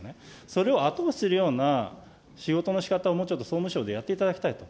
それを後押しするような仕事のしかたをもうちょっと総務省でやっていただきたいと。